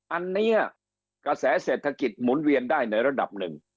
อันนี้กระแสเศรษฐกิจหมุนเวียนได้ในระดับหนึ่ง